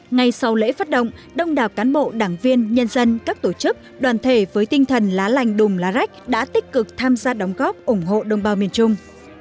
ngay sau lễ phát động đông đảo cán bộ đảng viên nhân dân các tổ chức đoàn thể với tinh thần lá lành đùm lá rách đã tích cực tham gia đóng góp ủng hộ đồng bào miền trung